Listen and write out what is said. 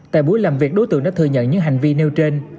tại buổi làm việc đối tượng đã thừa nhận những hành vi nêu trên